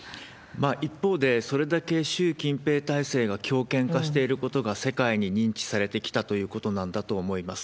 一方で、それだけ習近平体制が強権化していることが、世界に認知されてきたということなんだと思います。